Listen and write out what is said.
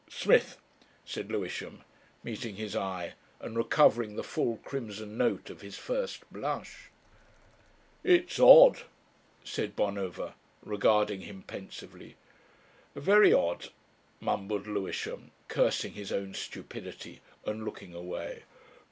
"Smith," said Lewisham, meeting his eye and recovering the full crimson note of his first blush. "It's odd," said Bonover, regarding him pensively. "Very odd," mumbled Lewisham, cursing his own stupidity and looking away.